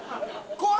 怖い！